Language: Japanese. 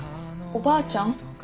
ばあちゃん